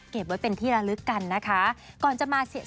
เก็บไว้เป็นที่ระลึกกันนะคะ